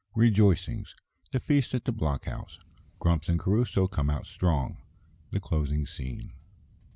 Rejoicings The feast at the block house Grumps and Crusoe come out strong The closing scene_.